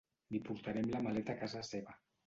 Li portarem la maleta a casa seva.